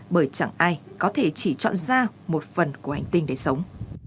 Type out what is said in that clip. bởi chẳng ai có thể chỉ chọn ra một phần của hành tinh để sống